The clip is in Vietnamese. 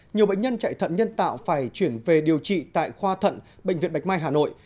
nhiều bệnh nhân chạy thận nhân tạo phải chuyển về điều trị tại khoa thận bệnh viện bạch mai hà nội